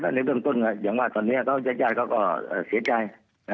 ในเบื้องต้นอย่างว่าตอนนี้ญาติเขาก็เสียใจ